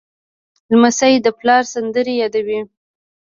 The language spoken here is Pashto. لمسی د پلار سندرې یادوي.